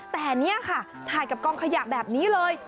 แต่นี่ค่ะถ่ายกับกองขยะแบบนี้เลย